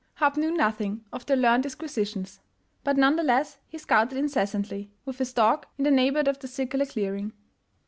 Hopp knew nothing of their learned disquisitions; but none the less he scouted incessantly, with his dog, in the neighborhood of the circu lar clearing.